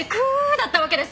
だったわけですか！